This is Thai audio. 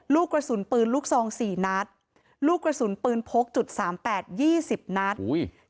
ลูกกระสุนปืนลูกซอง๔นัตริเมตรลูกกระสุนปืนโพกจุด๓๘๒๐นัตริเมตร